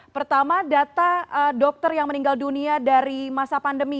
pertama data dokter yang meninggal dunia dari masa pandemi